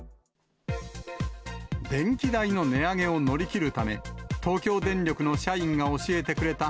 電気代の値上げを乗り切るため、東京電力の社員が教えてくれた、